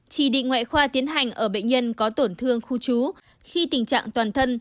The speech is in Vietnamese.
chỉ định ngoại khoa tiến hành ở bệnh nhân có tổn thương khu trú khi tình trạng toàn thân